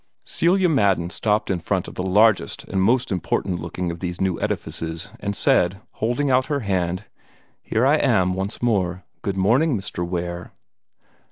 Celia Madden stopped in front of the largest and most important looking of these new edifices, and said, holding out her hand: "Here I am, once more. Good morning, Mr. Ware."